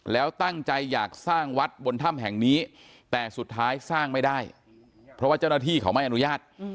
แล้วตั้งใจอยากสร้างวัดบนถ้ำแห่งนี้แต่สุดท้ายสร้างไม่ได้เพราะว่าเจ้าหน้าที่เขาไม่อนุญาต